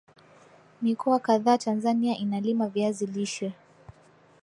mikoa kadhaa Tanzania inalima viazi lishe